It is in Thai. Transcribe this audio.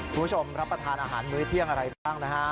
รับประทานอาหารมื้อเที่ยงอะไรบ้างนะฮะ